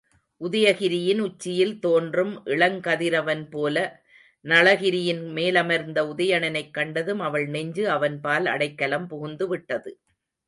உதயகிரியின் உச்சியில் தோன்றும் இளங்கதிரவன்போல நளகிரியின் மேலமர்ந்திருந்த உதயணனைக் கண்டதும் அவள் நெஞ்சு அவன்பால் அடைக்கலம் புகுந்துவிட்டது.